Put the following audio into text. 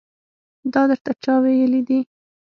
دا درته چا ويلي دي.